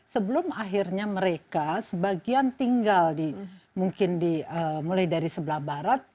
sebelum akhirnya mereka sebagian tinggal di mungkin mulai dari sebelah barat